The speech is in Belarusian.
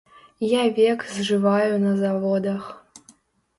Я век зжываю на заводах.